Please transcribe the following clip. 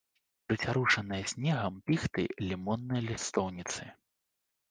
Прыцярушаныя снегам піхты, лімонныя лістоўніцы.